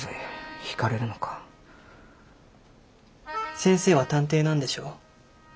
先生は探偵なんでしょ？